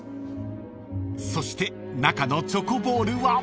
［そして中のチョコボールは］